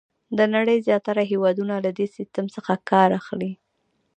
د نړۍ زیاتره هېوادونه له دې سیسټم څخه کار اخلي.